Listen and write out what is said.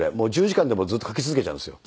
１０時間でもずっと書き続けちゃうんですよ。